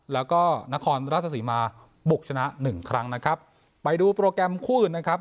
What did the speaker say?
แล้วก็นครราชสีมาบุกชนะหนึ่งครั้งนะครับไปดูโปรแกรมคู่อื่นนะครับ